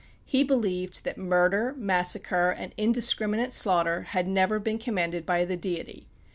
He believed that murder, massacre, and indiscriminate slaughter, had never been commanded by the Deity.